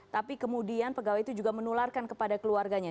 tapi kemudian pegawai itu juga menularkan kepada keluarganya